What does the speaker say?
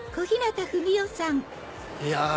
いや